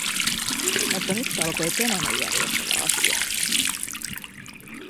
Mutta nyt alkoi Kenonen järjestellä asiaa.